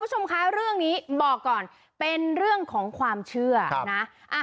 คุณผู้ชมคะเรื่องนี้บอกก่อนเป็นเรื่องของความเชื่อนะ